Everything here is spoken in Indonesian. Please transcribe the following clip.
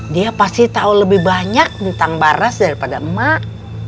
dia pasti tau lebih banyak tentang barnas daripada mak